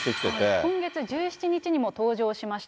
今月１７日にも登場しました。